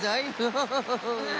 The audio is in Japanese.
ハハハハハ。